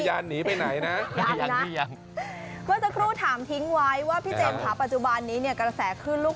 ยังไปไหนนะยังอยู่ไงฉันติดถามทิ้งไว้ว่าพี่เจมส์ค่ะปัจจุบันนี้เนี่ยกระแสขึ้นลูก